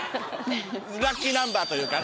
ラッキーナンバーというかね